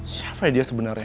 siapa ya dia sebenernya